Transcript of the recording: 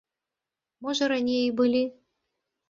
Можа раней і былі.